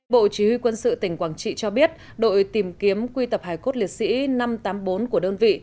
bộ chỉ huy quân sự tỉnh quảng trị cho biết đội tìm kiếm quy tập hải cốt liệt sĩ năm trăm tám mươi bốn của đơn vị